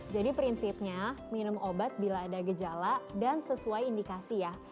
jadi prinsipnya minum obat bila ada gejala dan sesuai indikasi ya